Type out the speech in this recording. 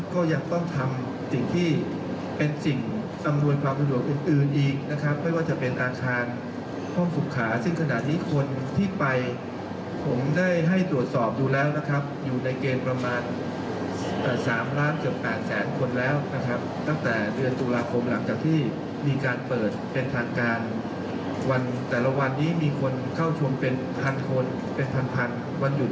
ก็ยังต้องทำสิ่งที่เป็นสิ่งอำนวยความสะดวกอื่นอีกนะครับไม่ว่าจะเป็นอาคารห้องสุขาซึ่งขณะนี้คนที่ไปผมได้ให้ตรวจสอบดูแล้วนะครับอยู่ในเกณฑ์ประมาณ๓ล้านเกือบ๘แสนคนแล้วนะครับตั้งแต่เดือนตุลาคมหลังจากที่มีการเปิดเป็นทางการวันแต่ละวันนี้มีคนเข้าชมเป็นพันคนเป็นพันพันวันหยุด